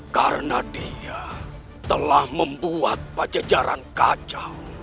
karena dia telah membuat pajejaran kacau